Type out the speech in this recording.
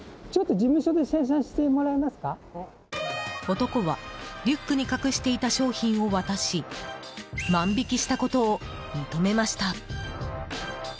男はリュックに隠していた商品を渡し万引きしたことを認めました。